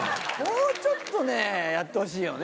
もうちょっとねやってほしいよね。